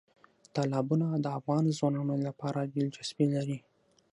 تالابونه د افغان ځوانانو لپاره دلچسپي لري.